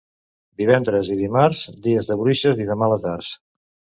Divendres i dimarts, dies de bruixes i de males arts.